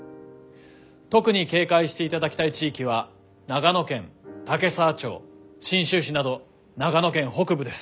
特に警戒していただきたい地域は長野県岳沢町信州市など長野県北部です。